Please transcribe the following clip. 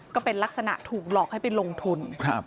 ก็เป็นลักษณะถูกหลอกให้ไปลงทุน